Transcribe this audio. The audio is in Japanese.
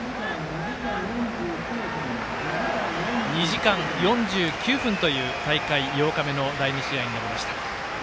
２時間４９分という大会８日目の第２試合になりました。